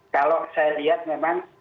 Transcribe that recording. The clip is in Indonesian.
kalau saya lihat memang